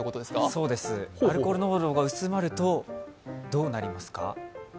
そうです、アルコール濃度が薄まるとどうなりますか。